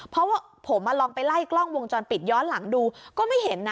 เพราะว่าผมลองไปไล่กล้องวงจรปิดย้อนหลังดูก็ไม่เห็นนะ